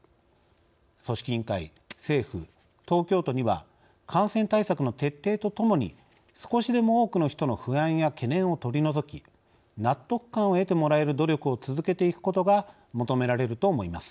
組織委員会、政府、東京都には感染対策の徹底とともに少しでも多くの人の不安や懸念を取り除き納得感を得てもらえる努力を続けていくことが求められると思います。